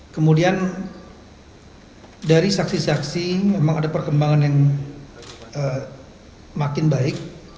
kemudian dari saksi saksi memang ada perkembangan yang makin baik